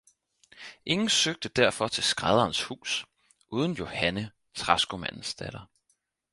ingen søgte derfor til skrædderens hus, uden Johanne, træskomandens datter.